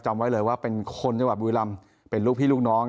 จำไว้เลยว่าเป็นคนจังหวัดบุรีรำเป็นลูกพี่ลูกน้อง